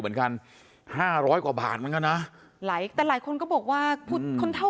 เหมือนกัน๕๐๐กว่าบาทมั้งก็น่ะหลายแต่หลายคนก็บอกว่าคนเท่า